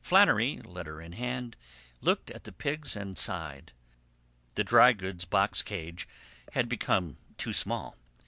Flannery, letter in hand, looked at the pigs and sighed. The dry goods box cage had become too small.